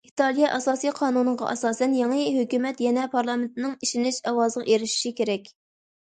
ئىتالىيە ئاساسىي قانۇنىغا ئاساسەن، يېڭى ھۆكۈمەت يەنە پارلامېنتنىڭ ئىشىنىش ئاۋازىغا ئېرىشىشى كېرەك.